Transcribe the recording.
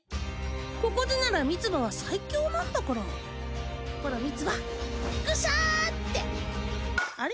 ここでならミツバは最強なんだからほらミツバグシャーってあれ？